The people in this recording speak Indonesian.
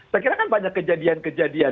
saya kira kan banyak kejadian kejadian